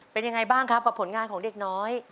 เป็นยังไงบ้างครับกับผลงานของเด็กน้อย